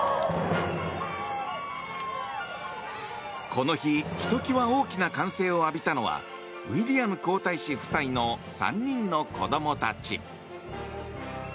この日、ひときわ大きな歓声を浴びたのはウィリアム皇太子夫妻の３人の子供たち。